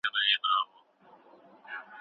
په اساس، چي دوی دواړو منځته راوړی دی، توافق وکړي.